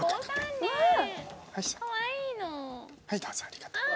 ありがとう。